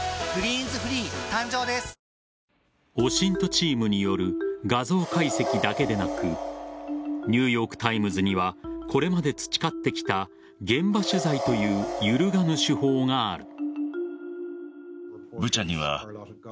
チームによる画像解析だけでなくニューヨーク・タイムズにはこれまで培ってきた現場取材という揺るがぬ手法がある。